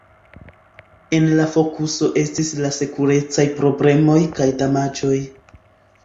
En la fokuso estis la sekurecaj problemoj kaj damaĝoj.